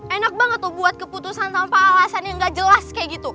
enak banget tuh buat keputusan tanpa alasan yang gak jelas kayak gitu